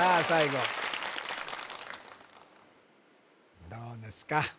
最後どうですか？